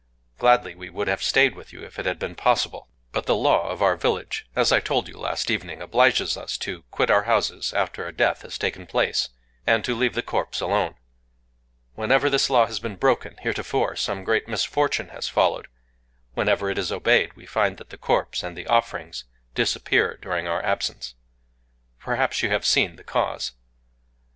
Gladly we would have stayed with you, if it had been possible. But the law of our village, as I told you last evening, obliges us to quit our houses after a death has taken place, and to leave the corpse alone. Whenever this law has been broken, heretofore, some great misfortune has followed. Whenever it is obeyed, we find that the corpse and the offerings disappear during our absence. Perhaps you have seen the cause."